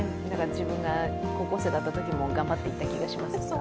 自分が高校生だったときも頑張っていた気がします。